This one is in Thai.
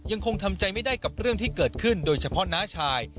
ยังคงทำใจไม่ได้กับเรื่องที่เกิดขึ้นโดยเฉพาะน้าชาย